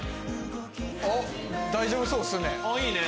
大丈夫そうっすね。